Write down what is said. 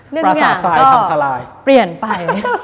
เรื่องทุกอย่างก็เปลี่ยนไป